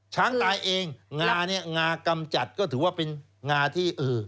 ช้างตายเองงาเนี่ยงากำจัดก็ถือว่าเป็นงาที่เออ